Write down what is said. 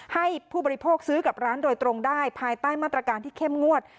ให้ผู้บริโภคซื้อกับร้านโดยตรงได้ภายใต้มาตรการที่เข้มงวด